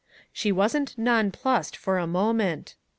She wasn't nonplussed for a moment.